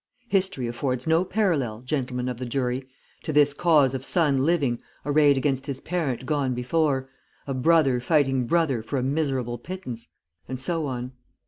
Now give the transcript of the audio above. History affords no parallel, gentlemen of the jury, to this cause of son living arrayed against his parent gone before, of brother fighting brother for a miserable pittance_, and so on.